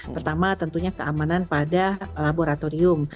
pertama tentunya keamanan pada laboratorium